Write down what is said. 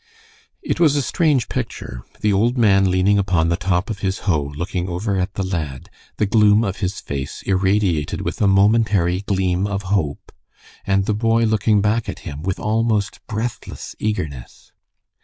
It was a strange picture. The old man leaning upon the top of his hoe looking over at the lad, the gloom of his face irradiated with a momentary gleam of hope, and the boy looking back at him with almost breathless eagerness.